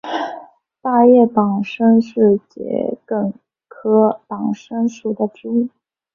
大叶党参是桔梗科党参属的植物。